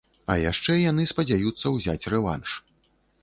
А яшчэ яны спадзяюцца ўзяць рэванш.